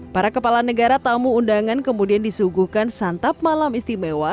para kepala negara tamu undangan kemudian disuguhkan santap malam istimewa